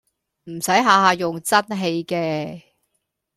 唔駛下下用真氣嘅